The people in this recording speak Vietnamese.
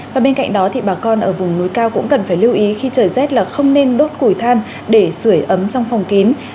và bên cạnh đó thì bà con ở vùng núi cao cũng cần phải lưu ý khi trời rét là không nên đốt củi than để sửa ấm trong phòng kín